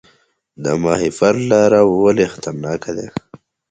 د ماهیپر لاره ولې خطرناکه ده؟